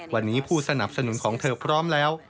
วันนี้ผู้สนับสนุนของเธอพร้อมแล้ว